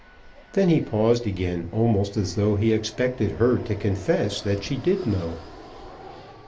Then he paused again, almost as though he expected her to confess that she did know.